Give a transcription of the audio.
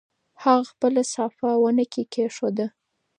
هغه خپله صافه په ونه کې کېښوده.